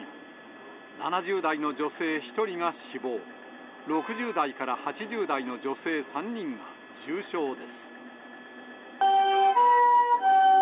７０代の女性１人が死亡、６０代から８０代の女性３人が重傷です。